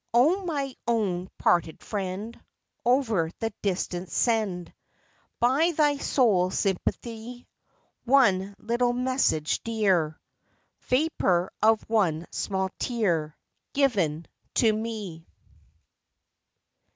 LONGINGS, O my own parted friend, Over the distance send By thy soul sympathy, One little message dear, Vapor of one small tear Given to me.